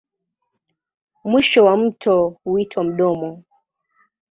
Mwisho wa mto huitwa mdomo.